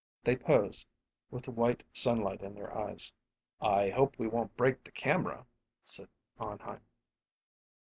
They posed, with the white sunlight in their eyes. "I hope we won't break the camera," said Arnheim.